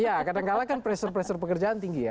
iya kadangkala kan pressure pressure pekerjaan tinggi ya